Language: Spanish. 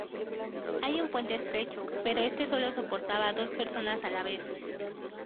Hay un puente estrecho, pero este sólo soporta a dos personas a la vez.